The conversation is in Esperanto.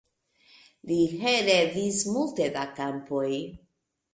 Li heredis multe da kampoj.